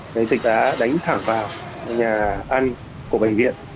đấy dịch đã đánh thẳng vào nhà ăn của bệnh viện